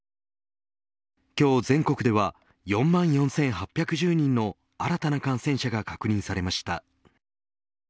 今日全国では４万４８１０人の新たな感染者が確認されました。